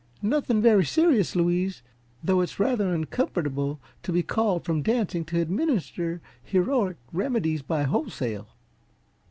"Nothing very serious, Louise, though it's rather uncomfortable to be called from dancing to administer heroic remedies by wholesale.